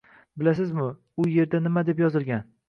Bilasizmi, u yerda nima deb yozilgan?